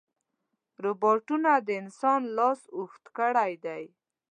روبوټونه د انسان لاس اوږد کړی دی.